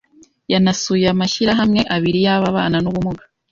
yanasuye amashyirahamwe abiri y’ababana n’ubumuga